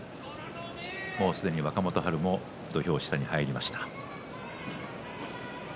もうすでに若元春も土俵下に入りました。